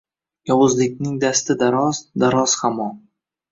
Yovuzlikning dasti daroz, daroz hamon.